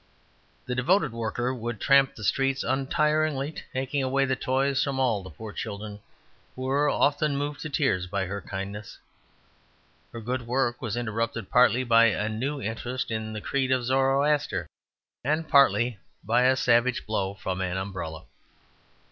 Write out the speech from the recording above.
The devoted worker would tramp the streets untiringly, taking away the toys from all the poor children, who were often moved to tears by her kindness. Her good work was interrupted, partly by a new interest in the creed of Zoroaster, and partly by a savage blow from an umbrella.